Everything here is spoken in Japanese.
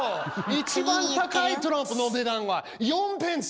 一番高いトランプの値段は４ペンス。